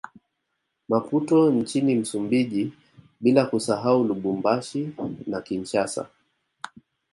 Maputo nchini Msumbiji bila kusahau Lubumbashi na Kinshasa